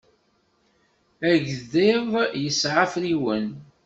Agḍiḍ yesɛa afriwen.